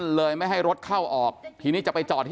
จะไม่เคลียร์กันได้ง่ายนะครับ